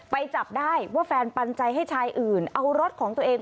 จับได้ว่าแฟนปันใจให้ชายอื่นเอารถของตัวเอง